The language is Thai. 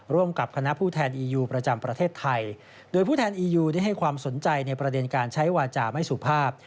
ร่วมกับคณะผู้แทนอียูประจำประเทศไทยโดยผู้แทนอียูได้ให้ความสนใจในประเด็นการใช้วาจาไม่สุภาพ